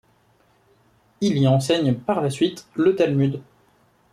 Il y enseigne par la suite le Talmud.